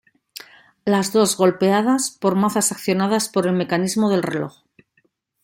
Las dos golpeadas por mazas accionadas por el mecanismo del reloj.